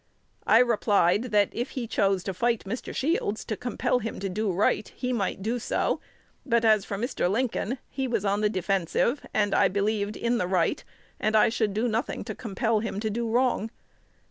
I replied, that, if he chose to fight Mr. Shields to compel him to do right, he might do so; but as for Mr. Lincoln, he was on the defensive, and, I believed, in the right, and I should do nothing to compel him to do wrong.